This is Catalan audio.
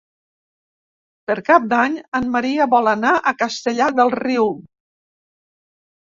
Per Cap d'Any en Maria vol anar a Castellar del Riu.